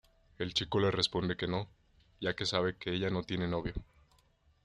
El chico le responde que no, ya que sabe que ella no tiene novio.